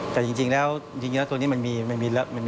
แต่ตรงนี้จริงแล้วตัวนี้มันมีรหัส